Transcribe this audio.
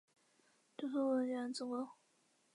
祖父梁子恭。